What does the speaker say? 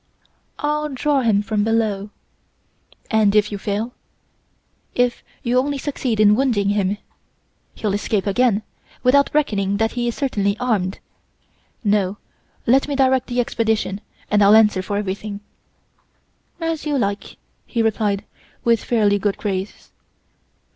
"'I'll draw him from below.' "'And if you fail? If you only succeed in wounding him he'll escape again, without reckoning that he is certainly armed. No, let me direct the expedition, and I'll answer for everything.' "'As you like,' he replied, with fairly good grace.